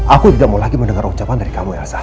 aku tidak mau lagi mendengar ucapan dari kamu elsa